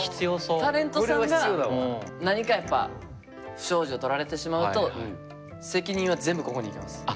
タレントさんが何かやっぱ不祥事を撮られてしまうと責任は全部ここにいきます。